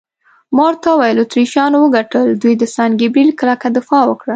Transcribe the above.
ما ورته وویل: اتریشیانو وګټل، دوی د سان ګبرېل کلکه دفاع وکړه.